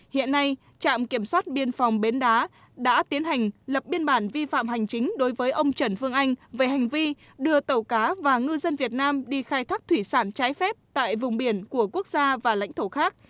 hiện nay trạm kiểm soát biên phòng bến đá đã tiến hành lập biên bản vi phạm hành chính đối với ông trần phương anh về hành vi đưa tàu cá và ngư dân việt nam đi khai thác thủy sản trái phép tại vùng biển của quốc gia và lãnh thổ khác